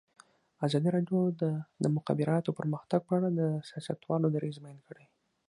ازادي راډیو د د مخابراتو پرمختګ په اړه د سیاستوالو دریځ بیان کړی.